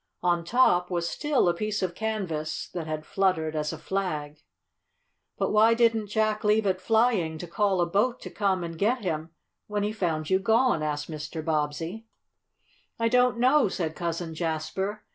On top was still a piece of canvas that had fluttered as a flag. "But why didn't Jack leave it flying, to call a boat to come and get him when he found you gone?" asked Mr. Bobbsey. "I don't know," said Cousin Jasper.